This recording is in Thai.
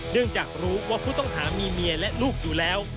เนื่องจากรู้ว่าผู้ต้องหามีเมียและลูกอยู่แล้ว